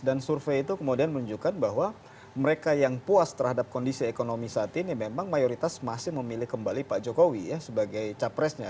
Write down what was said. dan survei itu kemudian menunjukkan bahwa mereka yang puas terhadap kondisi ekonomi saat ini memang mayoritas masih memilih kembali pak jokowi ya sebagai capresnya